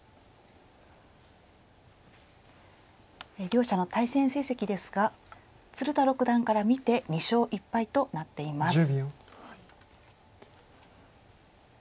両者の対戦成績ですが鶴田六段から見て２勝１敗となっています。